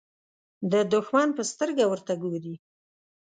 د دښمن په سترګه ورته ګوري.